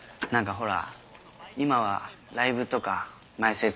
ほら。